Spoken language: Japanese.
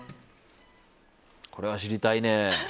これは知りたいね。